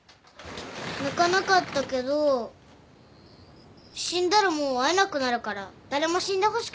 泣かなかったけど死んだらもう会えなくなるから誰も死んでほしくないな。